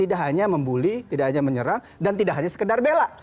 tidak hanya membuli tidak hanya menyerang dan tidak hanya sekedar bela